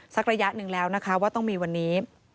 ระยะหนึ่งแล้วนะคะว่าต้องมีวันนี้